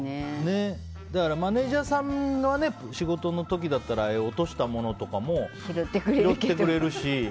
マネジャーさんは仕事の時だったら落としたものとかも拾ってくれるし。